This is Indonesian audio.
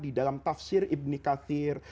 di dalam tafsir ibni kafir